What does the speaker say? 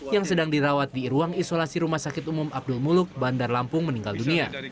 yang sedang dirawat di ruang isolasi rumah sakit umum abdul muluk bandar lampung meninggal dunia